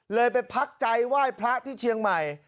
ไปพักใจไหว้พระที่เชียงใหม่